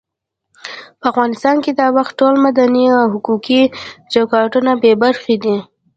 په افغانستان کې دا وخت ټول مدني او حقوقي چوکاټونه بې برخې دي.